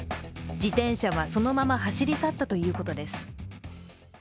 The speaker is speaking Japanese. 自転車はそのまま走り去ったということです。